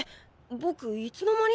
ぼくいつの間に？